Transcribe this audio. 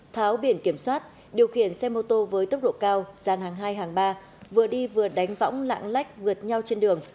tháo biển kiểm soát điều khiển xe mô tô với tốc độ cao gian hàng hai hàng ba vừa đi vừa đánh võng lạng lách vượt nhau trên đường